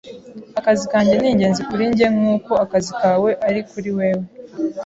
Akazi kanjye ni ingenzi kuri njye nkuko akazi kawe ari kuri wewe.